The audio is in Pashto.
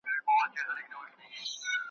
لوی واړه به پر سجده ورته پراته وي ,